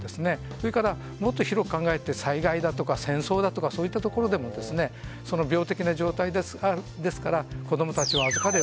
それから、もっと広く考えて災害だとか戦争だとかそういったところでもその病的な状態ですから子供たちを預かる。